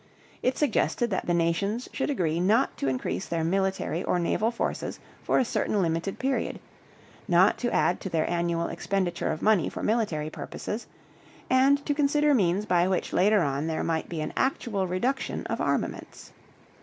It suggested that the nations should agree not to increase their military or naval forces for a certain limited period, not to add to their annual expenditure of money for military purposes, and to consider means by which later on there might be an actual reduction of armaments.